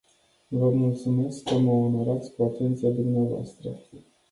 Vă mulțumesc că mă onorați cu atenția dvs.